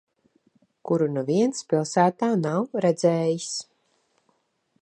Kuru neviens pilsētā nav redzējis.